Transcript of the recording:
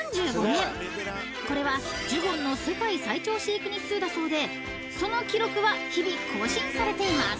［これはジュゴンの世界最長飼育日数だそうでその記録は日々更新されています］